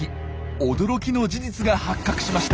驚きの事実が発覚しました。